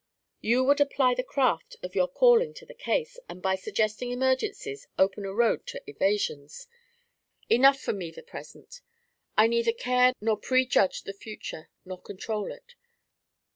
You would apply the craft of your calling to the case, and, by suggesting emergencies, open a road to evasions. Enough for me the present. I neither care to prejudge the future, nor control it.